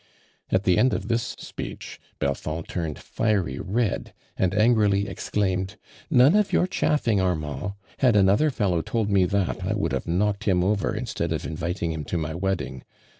At the end of this speech, Belfond turned tiery red and angrily exclaimed :•• None of your chaffing, Armand ! Had another fellow told mo that I would have knocked him over insteatl of inviting him to my wedding.